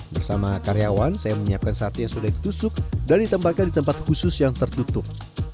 bersama karyawan saya menyiapkan sate yang sudah ditusuk dan ditempatkan di tempat khusus yang tertutup